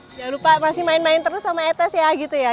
jangan lupa masih main main terus sama etes ya gitu ya